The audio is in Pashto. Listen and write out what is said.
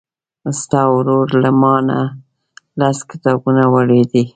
ستا ورور له مانه لس کتابونه وړي دي.